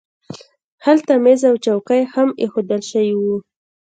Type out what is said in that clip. هلته مېز او څوکۍ هم اېښودل شوي وو